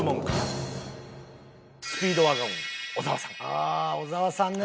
ああ小沢さんね。